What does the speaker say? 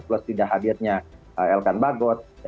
plus tidak hadirnya elkan bagot